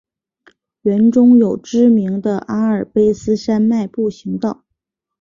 园中有知名的阿尔卑斯山脉步行道。